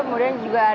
kemudian juga ada